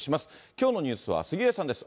きょうのニュースは杉江さんです。